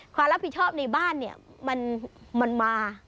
ความรับผิดชอบในบ้านเนี่ยมันมา